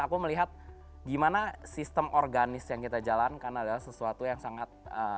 tapi kita bisa lihat gimana sistem organis yang kita jalankan adalah sesuatu yang sangat